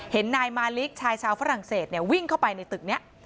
เห็นนายมาลิกชายชาวฝรั่งเศสวิ่งเข้าไปในตึกนี้